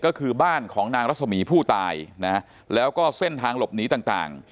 ก็คือบ้านของนางรัศมีผู้ตายนะฮะแล้วก็เส้นทางหลบหนีต่าง